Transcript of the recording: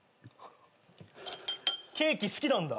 ケーキ好きなんだ？